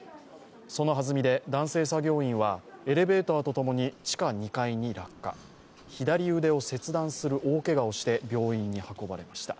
そのはずみで男性作業員はエレベーターと共に地下２階に落下、左腕を切断する大けがをして病院に運ばれました。